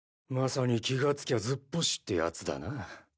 まさに気がつきゃずっぽしってやつだな。